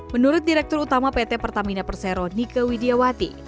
menurut direktur utama pt pertamina persero nike widiawati